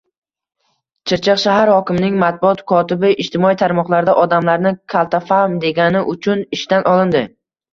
Chirchiq shahar hokimining matbuot kotibi ijtimoiy tarmoqlarda odamlarni kaltafahm degani uchun ishdan olindi